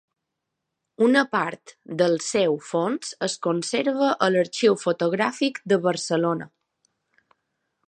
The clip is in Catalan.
Una part del seu fons es conserva a l'Arxiu Fotogràfic de Barcelona.